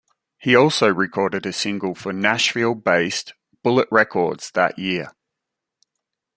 He also recorded a single for Nashville-based Bullet Records that year.